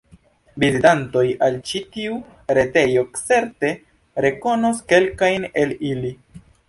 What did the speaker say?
Vizitantoj al ĉi tiu retejo certe rekonos kelkajn el ili.